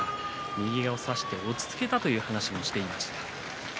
右を差して落ち着けたという話もしていました。